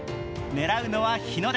狙うのは日の出。